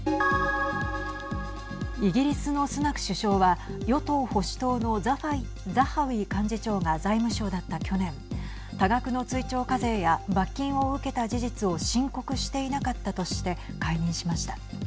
イギリスのスナク首相は与党・保守党のザハウィ幹事長が財務相だった去年多額の追徴課税や罰金を受けた事実を申告していなかったとして解任しました。